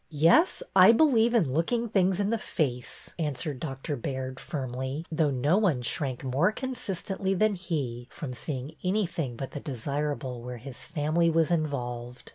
'' Yes, I believe in looking things in the face," answered Dr. Baird, firmly, though no one shrank more consistently than he from seeing anything but the desirable where his family was involved.